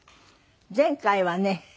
前回はね